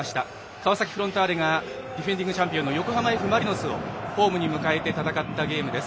川崎フロンターレがディフェンディングチャンピオン横浜Ｆ・マリノスをホームに迎えて戦ったゲームです。